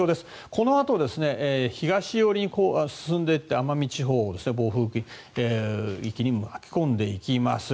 このあと東寄りに進んで奄美地方を暴風域に巻き込んでいきます。